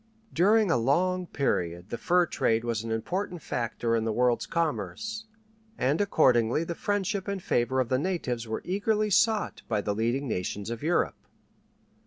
During a long period the fur trade was an important factor in the world's commerce, and accordingly the friendship and favor of the natives were eagerly sought by the leading nations of Europe.